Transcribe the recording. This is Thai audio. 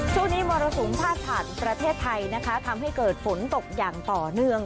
ช่วงนี้มรสุมภาษาประเทศไทยนะคะทำให้เกิดฝนตกอย่างต่อเนื่อง